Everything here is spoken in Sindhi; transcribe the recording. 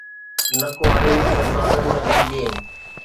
نه ڪو حريف، نه ظالم، نه غمگين